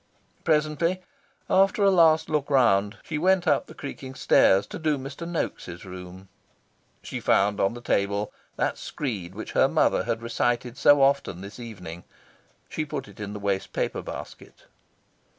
Presently, after a last look round, she went up the creaking stairs, to do Mr. Noaks' room. She found on the table that screed which her mother had recited so often this evening. She put it in the waste paper basket.